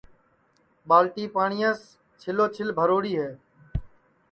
ٻالٹی پاٹِؔیاس چھِلو چھِل بھروڑی ہے